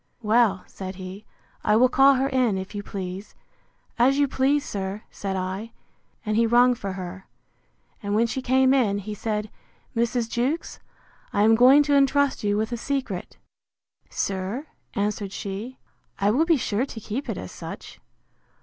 Well, said he, I will call her in, if you please.—As you please, sir, said I. And he rung for her; and when she came in, he said, Mrs. Jewkes, I am going to entrust you with a secret. Sir, answered she, I will be sure to keep it as such.